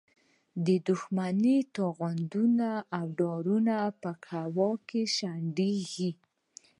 د دوښمن توغندي او ډرونونه په هوا کې شنډېږي.